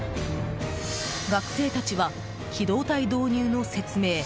学生たちは、機動隊導入の説明